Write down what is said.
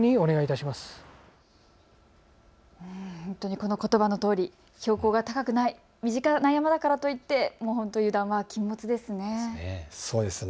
このことばのとおり、標高が高くない身近な山だからといって油断は禁物ですね。